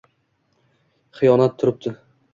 xiyonat turibdi –